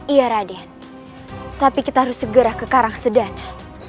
iya raden tapi kita harus segera ke karangsadana